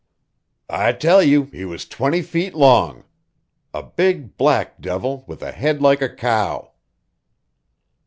"I tell you he was twenty feet long! A big black devil, with a head like a cow."